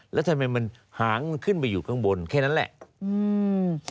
แล้วทำไมมันหางมันขึ้นไปอยู่ข้างบนแค่นั้นแหละ